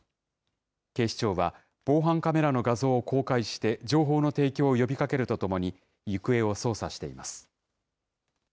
警視庁は、防犯カメラの画像を公開して情報の提供を呼びかけるとともに、行方を捜査しています。